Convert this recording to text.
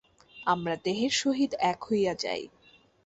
আমরা দেহের সহিত এক হইয়া যাই।